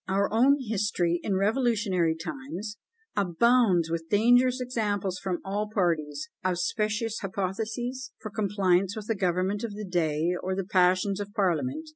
Our own history in revolutionary times abounds with dangerous examples from all parties; of specious hypotheses for compliance with the government of the day or the passions of parliament.